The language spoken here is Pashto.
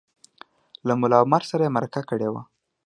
له ملا عمر سره یې مرکه کړې وه